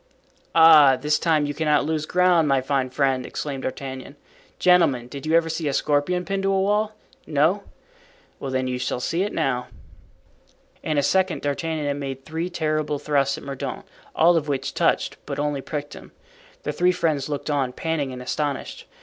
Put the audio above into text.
"Ah, this time you cannot lose ground, my fine friend!" exclaimed D'Artagnan. "Gentlemen, did you ever see a scorpion pinned to a wall? No. Well, then, you shall see it now." In a second D'Artagnan had made three terrible thrusts at Mordaunt, all of which touched, but only pricked him. The three friends looked on, panting and astonished.